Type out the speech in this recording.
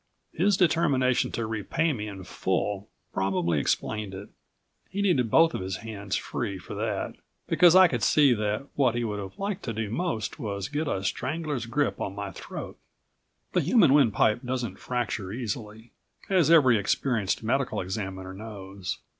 His determination to repay me in full probably explained it. He needed both of his hands free for that, because I could see that what he would have liked to do most was get a strangler's grip on my throat. The human windpipe doesn't fracture easily, as every experienced medical examiner knows.